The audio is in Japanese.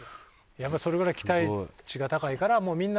やっぱそれぐらい期待値が高いからみんな。